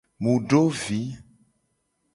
Mu do vi.